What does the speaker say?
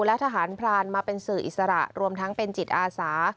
และทหารพรานมาเป็นสื่ออิสระรวมทั้งเป็นจิตอาสา